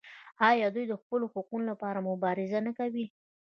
آیا دوی د خپلو حقونو لپاره مبارزه نه کوي؟